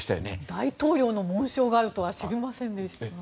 大統領の紋章があるとは知りませんでした。